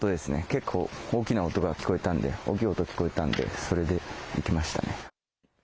結構大きな音が聞こえたんで、大きい音聞えたんで、それで行きましたね。